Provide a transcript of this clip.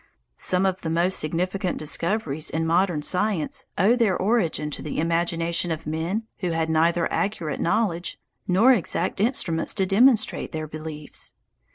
Some of the most significant discoveries in modern science owe their origin to the imagination of men who had neither accurate knowledge nor exact instruments to demonstrate their beliefs.